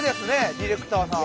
ディレクターさん。